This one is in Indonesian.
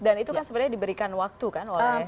dan itu kan sebenarnya diberikan waktu kan oleh